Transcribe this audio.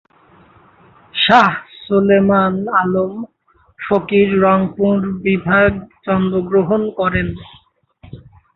শাহ্ সোলায়মান আলম ফকির রংপুর বিভাগ জন্মগ্রহণ করেন।